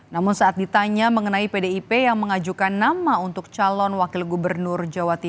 namun saat ditanya mengenai pdip yang mengajukan nama untuk calon wakil gubernur jawa timur